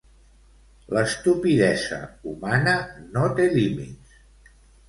L'estupidesa humana no té límits